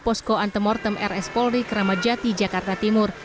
posko antemortem rs polri kramajat di jakarta timur